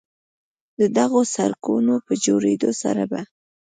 د دغو سړکونو په جوړېدو سره به